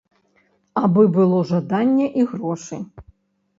Абы было жаданне і грошы.